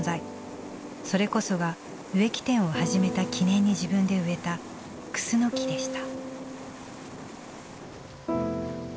それこそが植木店を始めた記念に自分で植えたクスノキでした。